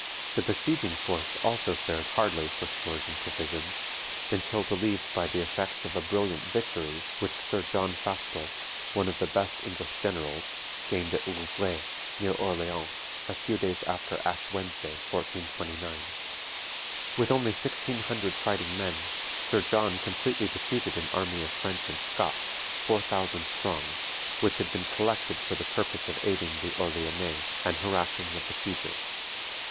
The besieging force also fared hardly for stores and provisions, until relieved by the effects of a brilliant victory which Sir John Fastolfe, one of the best English generals, gained at Rouvrai, near Orleans, a few days after Ash Wednesday, 1429. With only sixteen hundred fighting men, Sir John completely defeated an army of French and Scots, four thousand strong, which had been collected for the purpose of aiding the Orleannais, and harassing the besiegers.